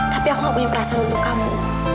tapi aku gak punya perasaan untuk kamu